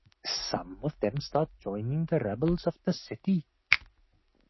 Some of them start joining the rebels of the city.